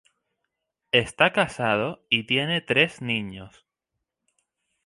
Está casado y tiene tres niños.